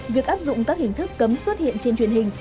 việc áp dụng các hình thức cấm xuất hiện trên truyền hình